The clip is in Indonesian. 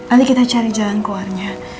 ayo kita cari jalan keluarnya